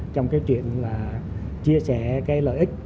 trong chuyện chia sẻ lợi ích